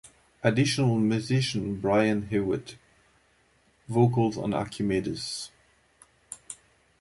Additional musician: Brian Hewitt - vocals on "Archimedes"